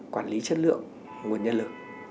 quản lý chất lượng nguồn nhân lực